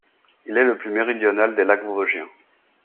Il est le plus méridional des lacs vosgiens.